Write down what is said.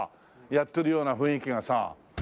やってるような雰囲気がさ。